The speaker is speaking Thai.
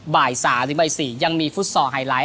บ่าย๓๔ยังมีฟุตซอร์ไฮไลท์